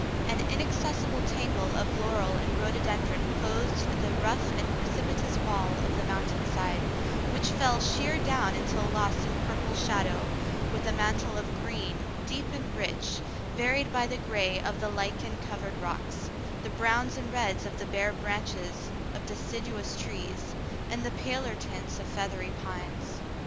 An inaccessible tangle of laurel and rhodo dendron clothed the rough and precipitous w^ali of the mountain side, which fell sheer down until lost in purple shadow, with a mantle of green, deep and rich, varied by the gray of the lichen covered rocks, the browns and reds of the bare branches of deciduous trees, and the paler tints of feathery pines.